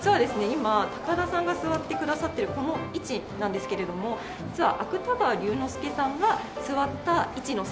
今高田さんが座ってくださってるこの位置なんですけれども実は芥川龍之介さんが座った位置の席。